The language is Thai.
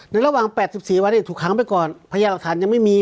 ในระหว่างแปดสิบสี่วันเนี้ยถูกขังไปก่อนพญานหลักฐานยังไม่มี